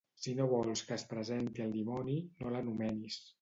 Si no vols que es presenti el dimoni, no l'anomenis.